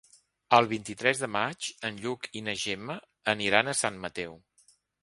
El vint-i-tres de maig en Lluc i na Gemma aniran a Sant Mateu.